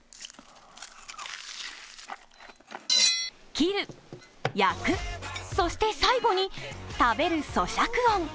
切る、焼く、そして最後に食べるそしゃく音。